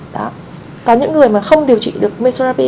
đó có những người mà không điều trị được mesurapy